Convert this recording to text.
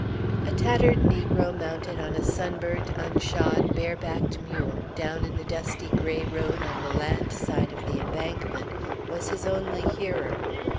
A tattered negro mounted on a sunburnt, unshod, bare backed mule, down in the dusty gray road on the land side of the embankment, was his only hearer.